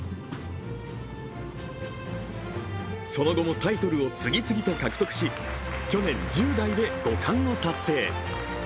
その後もタイトルを次々と獲得し去年１０代で五冠を達成。